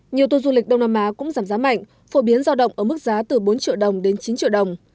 nhiều tour du lịch đông nam á cũng giảm giá mạnh phổ biến giao động ở mức giá từ bốn triệu đồng đến chín triệu đồng